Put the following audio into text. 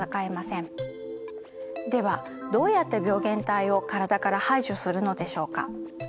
ではどうやって病原体を体から排除するのでしょうか？